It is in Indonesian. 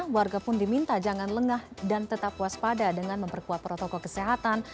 warga pun diminta jangan lengah dan tetap waspada dengan memperkuat protokol kesehatan